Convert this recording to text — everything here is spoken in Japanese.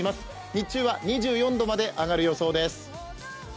日中は２４度まで上がる予想です。